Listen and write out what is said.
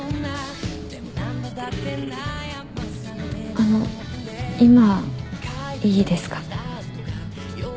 あの今いいですか？